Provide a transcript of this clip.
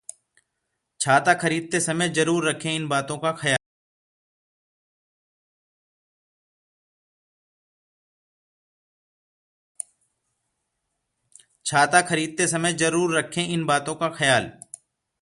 छाता खरीदते समय जरूर रखें इन बातों का ख्याल